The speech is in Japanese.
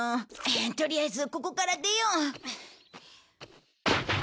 とりあえずここから出よう。